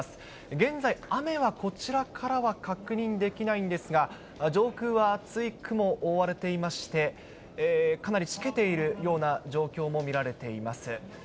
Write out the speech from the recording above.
現在、雨はこちらからは確認できないんですが、上空は厚い雲、覆われていまして、かなりしけているような状況も見られています。